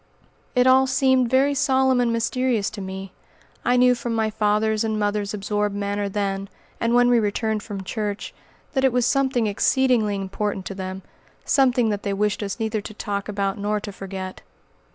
It all seemed very solemn and mysterious to me. I knew from my father's and mother's absorbed manner then, and when we returned from church, that it was something exceedingly important to Them something that they wished us neither to talk about nor to forget.